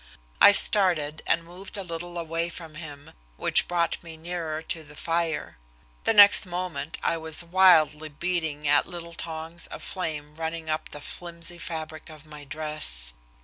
I started and moved a little away from him, which brought me nearer to the fire. The next moment I was wildly beating at little tongues of flame running up the flimsy fabric of my dress.